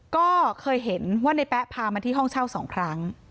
ก็เคยเห็นว่าในแป๊ะพามาที่ห้องเช่า๒ครั้ง